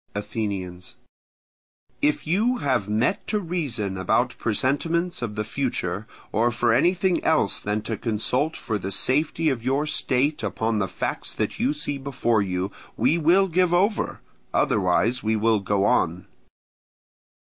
Athenians. If you have met to reason about presentiments of the future, or for anything else than to consult for the safety of your state upon the facts that you see before you, we will give over; otherwise we will go on.